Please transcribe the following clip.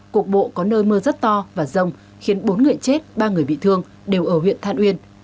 cục bộ có nơi mưa rất to và rông khiến bốn người chết ba người bị thương đều ở huyện than uyên